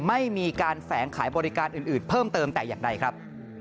ไม่มีการแฝงขายบริการอื่นเพิ่มเติมแต่อย่างใดครับ